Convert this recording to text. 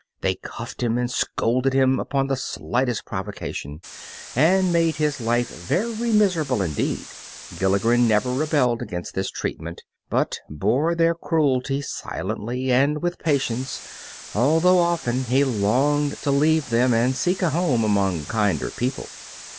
They cuffed him and scolded him upon the slightest provocation, and made his life very miserable indeed. Gilligren never rebelled against this treatment, but bore their cruelty silently and with patience, although often he longed to leave them and seek a home amongst kinder people.